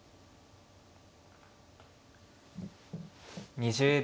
２０秒。